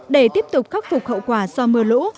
để tiếp tục khắc phục hậu quả do mưa lũ